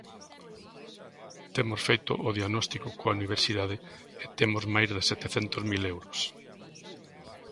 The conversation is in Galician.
Temos feito o diagnóstico coa universidade e temos máis de setecentos mil euros.